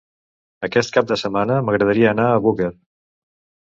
Aquest cap de setmana m'agradaria anar a Búger.